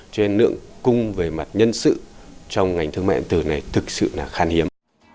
cho nên lượng cung về mặt nhân sự trong ngành thương mại điện tử này thực sự là khan hiếm